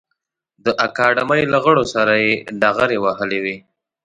د اکاډمۍ له غړو سره یې ډغرې وهلې وې.